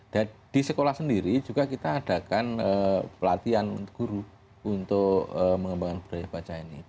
dan di sekolah sendiri juga kita adakan pelatihan guru untuk mengembangkan budaya baca ini